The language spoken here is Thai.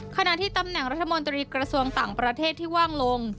ขณะที่ตำแหน่งรัฐมนตรีกระทรวงต่างประเทศที่ว่างลง